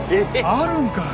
あるんかい。